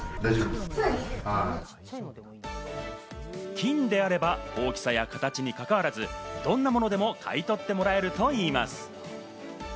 金であれば、大きさや形にかかわらず、どんなものでも買い取ってもらえるといいます。